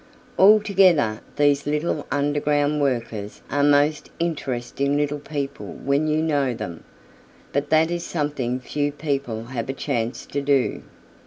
Altogether these little underground workers are most interesting little people when you know them. But that is something few people have a chance to do.